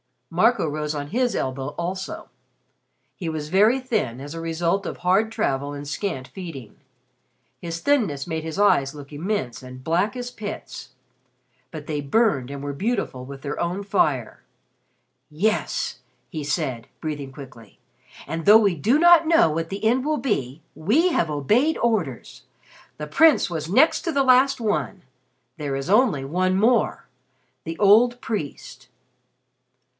Marco rose on his elbow also. He was very thin as a result of hard travel and scant feeding. His thinness made his eyes look immense and black as pits. But they burned and were beautiful with their own fire. "Yes," he said, breathing quickly. "And though we do not know what the end will be, we have obeyed orders. The Prince was next to the last one. There is only one more. The old priest."